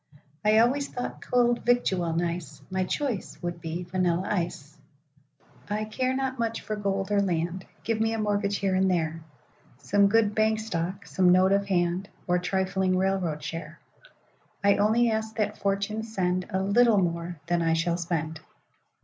I always thought cold victual nice;—My choice would be vanilla ice.I care not much for gold or land;—Give me a mortgage here and there,—Some good bank stock, some note of hand, Or trifling railroad share,—I only ask that Fortune sendA little more than I shall spend.